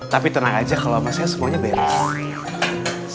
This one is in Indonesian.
tapi tenang aja kalau sama saya semuanya beres